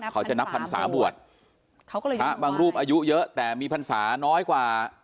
เขาจะนับพันศาบวชบางรูปอายุเยอะแต่มีพันศาน้อยกว่า